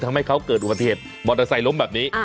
ทำให้เขาเกิดอุบัติเหตุมอเตอร์ไซค์ล้มแบบนี้